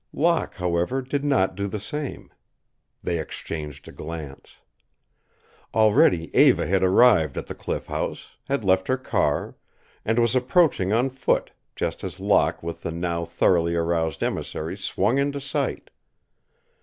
Locke, however, did not do the same. They exchanged a glance. Already Eva had arrived at the Cliff House, had left her car, and was approaching on foot, just as Locke with the now thoroughly aroused emissaries swung into sight.